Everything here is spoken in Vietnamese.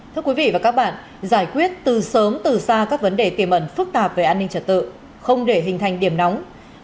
thưa quý vị và các bạn giải quyết từ sớm từ xa các vấn đề tiềm ẩn phức tạp về an ninh trật tự không để hình thành điểm nóng